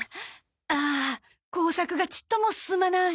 ああ工作がちっとも進まない。